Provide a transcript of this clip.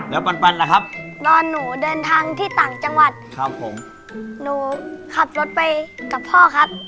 แม่แด้เปิดกระจกรถไม่ทันเลยครับ